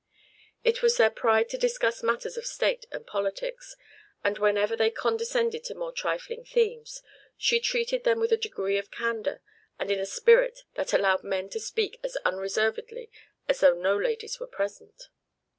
It was their pride to discuss matters of state and politics; and whenever they condescended to more trifling themes, they treated them with a degree of candor and in a spirit that allowed men to speak as unreservedly as though no ladies were present.